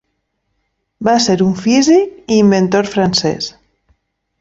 Va ser un físic i inventor francès.